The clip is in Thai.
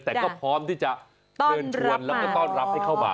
แต่ก็พร้อมที่จะเชิญชวนแล้วก็ต้อนรับให้เข้ามา